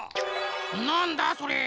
なんだそれ？